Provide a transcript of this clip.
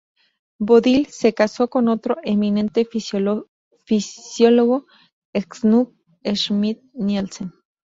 Bodil se casó con otro eminente fisiólogo, Knut Schmidt-Nielsen.